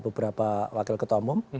beberapa wakil ketua umum